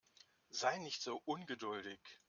Sei nicht so ungeduldig.